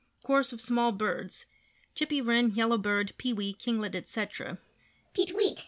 Chorus of Small Birds [Chippy, Wren, Yellow bird, Pewee, Kinglet, etc.]: Peet weet!